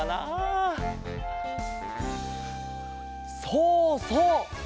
そうそう！